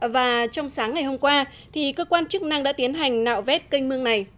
và trong sáng ngày hôm qua cơ quan chức năng đã tiến hành nạo vét canh mương này